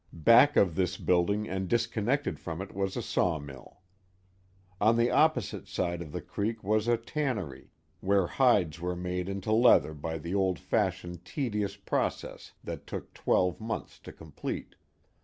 Back of this building and disconnected from it was a sawmill. On the opposite side of the creek was a tannery, where hides were made into leather by the old fashioned tedious process that took twelve months to complete.